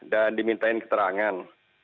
dan dimintain keterangan